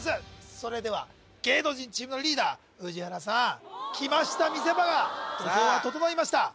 それでは芸能人チームのリーダー宇治原さんきました見せ場が整いました